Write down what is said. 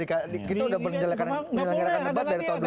kita udah menjalankan debat dari tahun dua ribu empat ya